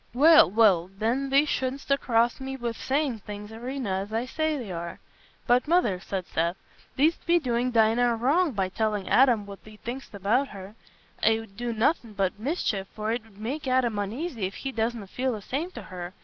"Well, well, then thee shouldstna cross me wi' sayin' things arena as I say they are." "But, Mother," said Seth, "thee'dst be doing Dinah a wrong by telling Adam what thee think'st about her. It 'ud do nothing but mischief, for it 'ud make Adam uneasy if he doesna feel the same to her.